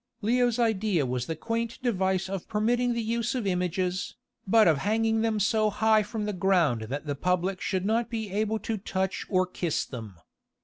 Leo's idea was the quaint device of permitting the use of images, but of hanging them so high from the ground that the public should not be able to touch or kiss them!